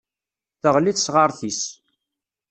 Teɣli tesɣaṛt-is.